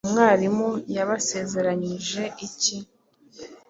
Umwarimu yabasezeranyije iki?